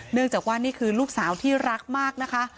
เนื่องจากว่านี่คือลูกสาวที่รักมากนะคะ